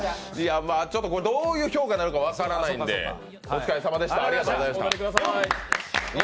これどういう評価になるか分からないので、お疲れさまでした。